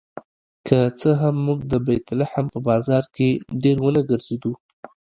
که څه هم موږ د بیت لحم په بازار کې ډېر ونه ګرځېدو.